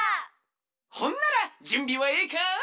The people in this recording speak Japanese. ほんならじゅんびはええか？